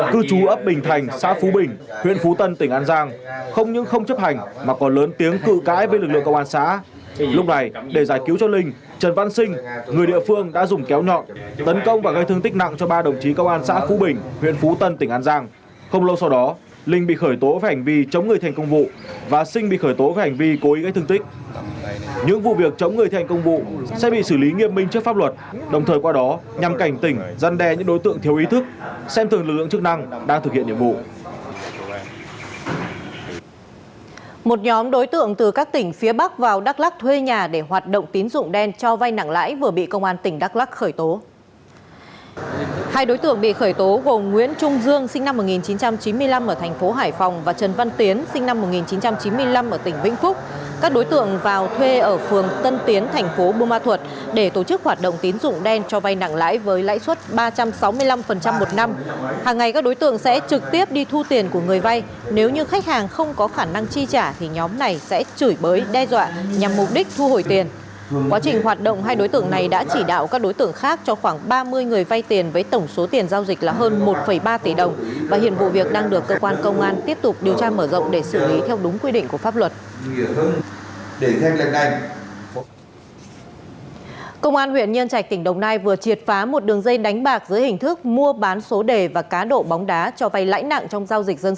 công an huyện nhân trạch tỉnh đồng nai vừa triệt phá một đường dây đánh bạc giữa hình thức mua bán số đề và cá độ bóng đá cho vay lãnh nặng trong giao dịch dân sự góp phần đảm bảo an ninh trả tự tại địa phương